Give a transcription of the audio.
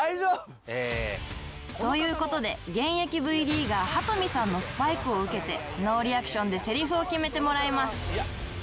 という事で現役 Ｖ リーガー羽富さんのスパイクを受けてノーリアクションでセリフを決めてもらいます